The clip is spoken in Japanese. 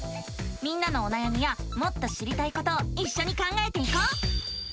みんなのおなやみやもっと知りたいことをいっしょに考えていこう！